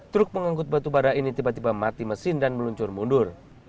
truk pengangkut batu bara ini tiba tiba mati mesin dan meluncur mundur